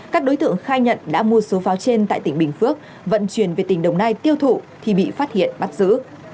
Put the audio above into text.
các đối tượng khai nhận đã mua số pháo trên tại tỉnh bình phước vận chuyển về tỉnh đồng nai tiêu thụ thì bị phát hiện bắt giữ